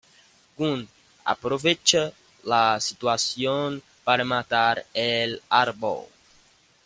Gunn aprovecha la situación para matar el árbol.